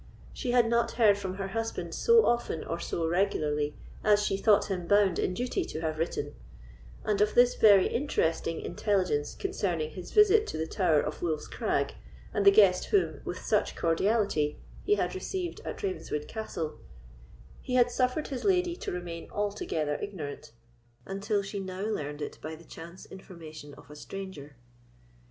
She had not heard from her husband so often or so regularly as she thought him bound in duty to have written, and of this very interesting intelligence concerning his visit to the Tower of Wolf's Crag, and the guest whom, with such cordiality, he had received at Ravenswood Castle, he had suffered his lady to remain altogether ignorant, until she now learned it by the chance information of a stranger.